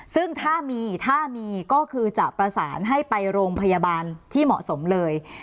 ซึ่งถ้ามีถ้ามีก็คือจะประสานให้ไปโรงพยาบาลที่เหมาะสมเลย